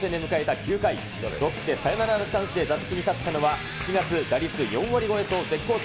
９回、ロッテサヨナラのチャンスで打席に立ったのは、７月打率４割超えと絶好調。